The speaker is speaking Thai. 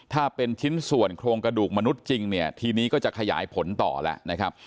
ถ้าเป็นชิ้นส่วนโครงกระดูกมนุษย์จริงเนี่ยทีนี้ก็จะขยายผลต่อแล้วนะครับ